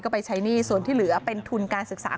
ก็ไปใช้หนี้ส่วนที่เหลือเป็นทุนการศึกษา